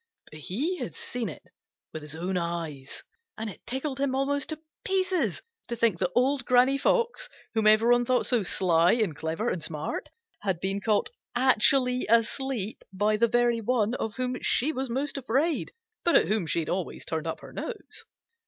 But he had seen it with his own eyes, and it tickled him almost to pieces to think that Old Granny Fox, whom everybody thought so sly and clever and smart, had been caught actually asleep by the very one of whom she was most afraid, but at whom she always had turned up her nose.